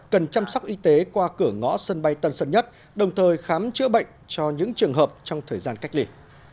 cần chăm sóc y tế qua cửa ngõ sân bay tân sơn nhất đồng thời khám chữa bệnh cho những trường hợp trong thời gian cách ly